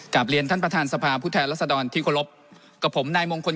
กับท่านประธานสภาพผู้แทนราษดรที่ครบลพกับผมนายมงคน